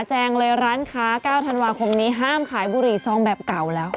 แจ้งเลยร้านค้า๙ธันวาคมนี้ห้ามขายบุหรี่ซองแบบเก่าแล้ว